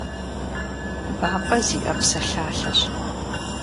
БампӀэ зиӀэ псэлъалэщ.